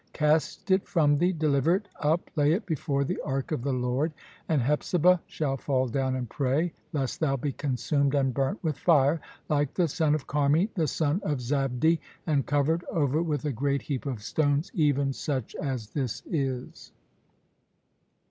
Cast it from thee, deliver it up, lay it before the ark of the Lord, and Hepzibah shall fall down and pray, lest thou be consumed and burnt with fire, like the son of Carmi the son of Zabdi, and covered over with a great heap of stones, even such as this is."